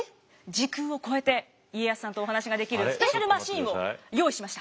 時空を超えて家康さんとお話ができるスペシャルマシンを用意しました。